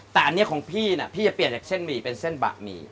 แต่อันนี้ของพี่นะพี่จะเปลี่ยนจากเส้นหมี่เป็นเส้นบะหมี่